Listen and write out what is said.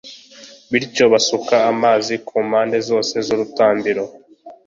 Bityo basuka amazi ku mpande zose zurutambiro